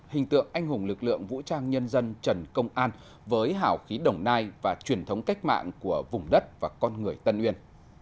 hình tượng anh hùng lực lượng vũ trang nhân dân trần công an với hảo khí đồng nai và truyền thống cách mạng của vùng đất và con người tân uyên